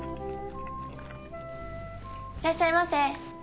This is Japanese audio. いらっしゃいませ！